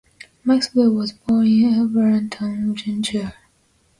Maxwell was born in Elberton, Georgia.